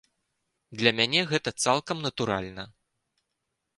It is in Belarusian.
Для мяне гэта цалкам натуральна.